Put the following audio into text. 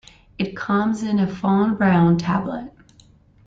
It comes in a fawn brown tablet.